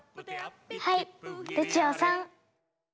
はいルチオさん。